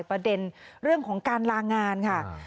ประเด็นเรื่องของการลางานค่ะ